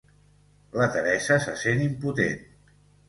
La Teresa se sent impotent.